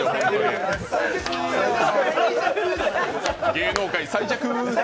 芸能界、最弱。